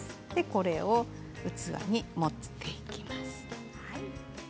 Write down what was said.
これを器に盛っていきます。